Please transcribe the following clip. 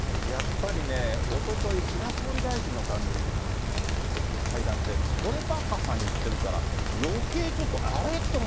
やっぱりね、おととい、菅総理大臣の会談で、これバッハさん言ってるから、よけいちょっと、あれ？